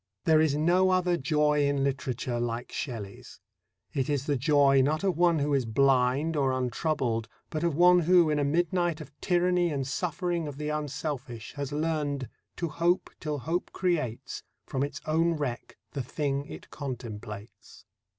There is no other joy in literature like Shelley's. It is the joy not of one who is blind or untroubled, but of one who, in a midnight of tyranny and suffering of the unselfish, has learned ... to hope till Hope creates From its own wreck the thing it contemplates.